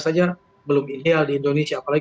saja belum ideal di indonesia apalagi